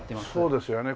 そうですよね